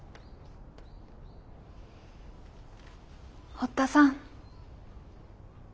堀田さん。